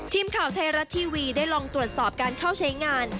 ทีมข่าวไทยรัฐทีวีได้ลองตรวจสอบการเข้าใช้งาน